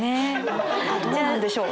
どうなんでしょう？